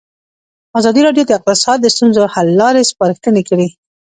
ازادي راډیو د اقتصاد د ستونزو حل لارې سپارښتنې کړي.